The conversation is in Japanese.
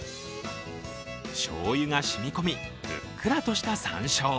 しょうゆがしみ込み、ふっくらとした山椒。